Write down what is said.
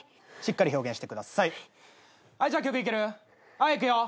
はいいくよ。